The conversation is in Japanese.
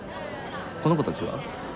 この子たちは？